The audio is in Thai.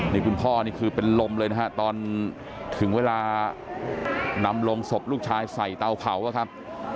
นี่คุณพ่อนี่คือเป็นลมเลยนะฮะตอนถึงเวลานำลงศพลูกชายใส่เตาเผาอะครับ